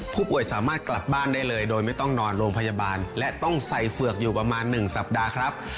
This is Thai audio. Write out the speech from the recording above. ผู้ป่วยสามารถกลับบ้านได้เลยโดยไม่ต้องนอนโรงพยาบาลและต้องใส่เฝือกอยู่ประมาณ๑สัปดาห์ครับ